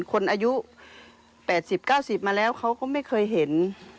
คนอายุ๘๐๙๐มาแล้วเขาก็ไม่เคยเห็น